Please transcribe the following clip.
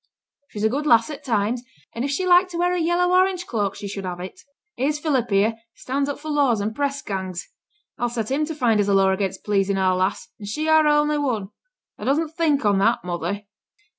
'She's a good lass at times; and if she liked to wear a yellow orange cloak she should have it. Here's Philip here, as stands up for laws and press gangs, I'll set him to find us a law again pleasing our lass; and she our only one. Thou dostn't think on that, mother!